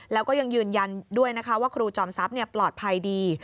แล้วก็ยังยืนยันด้วยนะคะว่าครูจอมทรัพย์ปลอดภัยดี